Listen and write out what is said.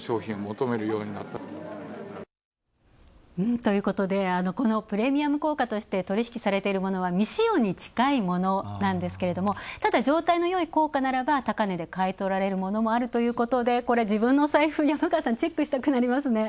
ということで、プレミアム硬貨として取引されているものは、未使用に近いものなんですけれどもただ、状態のよい硬貨ならば高値で買い取られるものもあるということで自分のお財布、山川さん、チェックしたくなりますね。